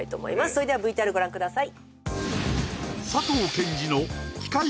それではＶＴＲご覧ください